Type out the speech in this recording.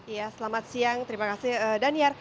ya selamat siang terima kasih daniar